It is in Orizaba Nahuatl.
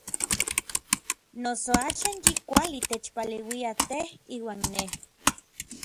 Noso axan yi kuali techpaleuia tej iuan nej.